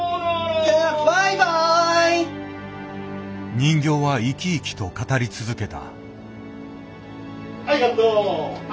人形は生き生きと語り続けた。